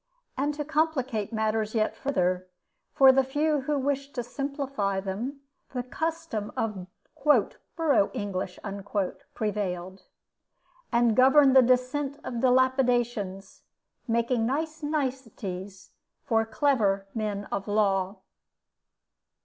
And to complicate matters yet further, for the few who wished to simplify them, the custom of "borough English" prevailed, and governed the descent of dilapidations, making nice niceties for clever men of law.